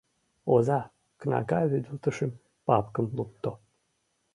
“Оза” кнага вӱдылтышым, папкым лукто.